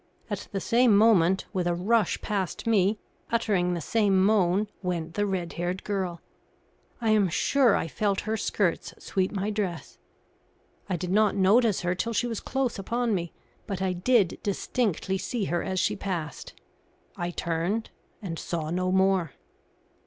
At the same moment, with a rush past me, uttering the same moan, went the red haired girl. I am sure I felt her skirts sweep my dress. I did not notice her till she was close upon me, but I did distinctly see her as she passed. I turned, and saw no more.